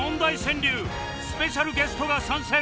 スペシャルゲストが参戦！